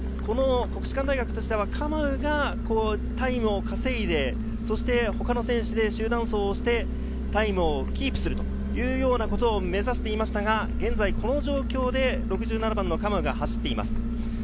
国士舘大学としてはカマウがタイムを稼いで、他の選手で集団走行をしてタイムをキープするというようなことを目指していましたが、現在この状況で６７番のカマウが走っています。